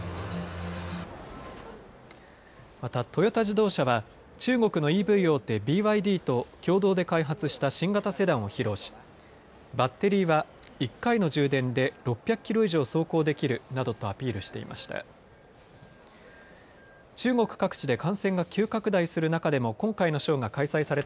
また、トヨタ自動車は中国のＥＶ大手ＢＹＤと共同で開発した新型セダンを披露しバッテリーは１回の充電で６００キロ以上走行できるなどとアピールしていました。